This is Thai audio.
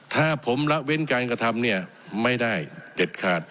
ถ้าผมละเว้นการกระทำเนี่ยไม่ได้เด็ดขาด